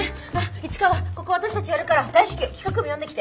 市川ここ私たちやるから大至急企画部呼んできて。